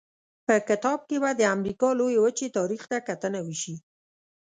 په کتاب کې به د امریکا لویې وچې تاریخ ته کتنه وشي.